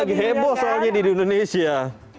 lagi heboh soalnya di indonesia